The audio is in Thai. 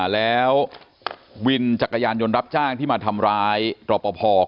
แล้ววินจักรยานยนต์รับจ้างที่มาทำร้ายรอปภ